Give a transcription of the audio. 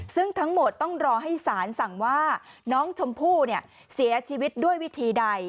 ซึ่งทั้งหมดต้องรอให้สารสั่งว่าน้องชมพู่เสียชีวิตด้วยวิธีใด